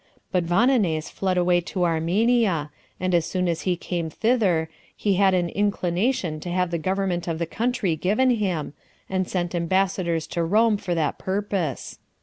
But Vonones fled away to Armenia; and as soon as he came thither, he had an inclination to have the government of the country given him, and sent ambassadors to Rome [for that purpose].